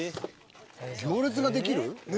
行列ができる？